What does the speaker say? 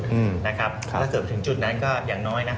ถ้าเกิดถึงจุดนั้นก็อย่างน้อยนะ